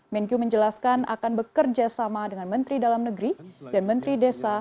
menkyu menjelaskan akan bekerja sama dengan menteri dalam negeri dan menteri desa